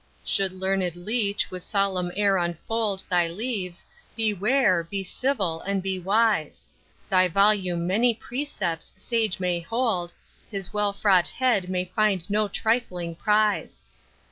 Should learned leech with solemn air unfold Thy leaves, beware, be civil, and be wise: Thy volume many precepts sage may hold, His well fraught head may find no trifling prize.